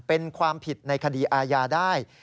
เป็นความผิดในคดีอาญาได้